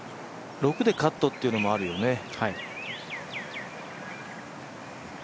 ６でカットというのもあるよね。